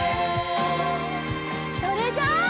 それじゃあ。